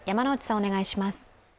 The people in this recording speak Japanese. お願いします。